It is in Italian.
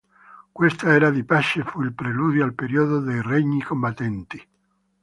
Questa era di pace fu il preludio al periodo dei regni combattenti.